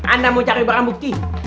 anda mau cari barang bukti